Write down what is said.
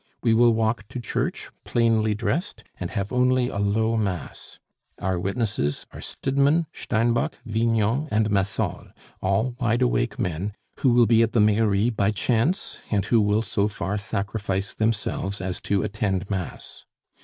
We will walk to church, plainly dressed, and have only a low mass. Our witnesses are Stidmann, Steinbock, Vignon, and Massol, all wide awake men, who will be at the mairie by chance, and who will so far sacrifice themselves as to attend mass.